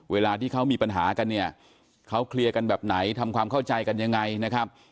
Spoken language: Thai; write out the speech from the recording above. เวลาที่เขามีปัญหากันเนี่ยเขาเคลียร์กันแบบไหนทำความเข้าใจกันยังไงนะครับ